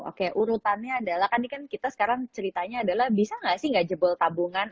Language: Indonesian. oke urutannya adalah kan ini kan kita sekarang ceritanya adalah bisa nggak sih nggak jebol tabungan